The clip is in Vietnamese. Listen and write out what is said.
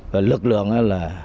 và lực lượng là